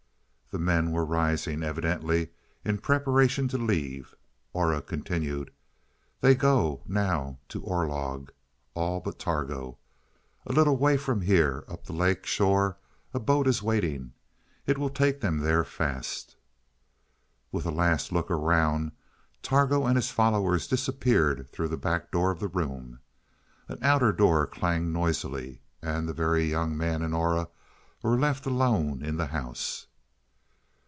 The men were rising, evidently in preparation to leave. Aura continued: "They go now to Orlog all but Targo. A little way from here, up the lake shore, a boat is waiting. It will take them there fast." With a last look around, Targo and his followers disappeared through the back door of the room. An outer door clanged noisily, and the Very Young Man and Aura were left alone in the house.